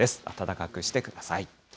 暖かくしてください。